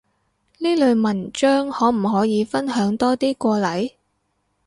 呢類文章可唔可以分享多啲過嚟？